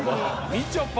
みちょぱ。